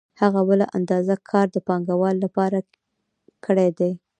هغه بله اندازه کار د پانګوال لپاره کړی دی